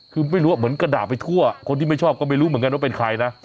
คือไม่รู้ว่าเหมือนกระดาษไปทั่วคนที่ไม่ชอบก็ไม่รู้เหมือนกันว่าเป็นใครนะ